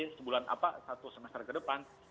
sebulan apa satu semester ke depan